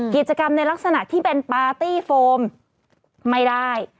กิจกรรมในลักษณะที่เป็นปาร์ตี้โฟมไม่ได้